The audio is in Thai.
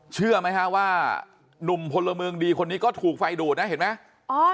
เชื่อไหมฮะว่าหนุ่มพลเมืองดีคนนี้ก็ถูกไฟดูดนะเห็นไหม